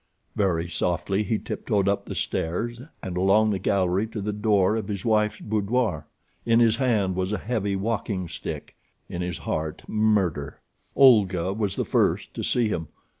Very softly he tiptoed up the stairs and along the gallery to the door of his wife's boudoir. In his hand was a heavy walking stick—in his heart, murder. Olga was the first to see him.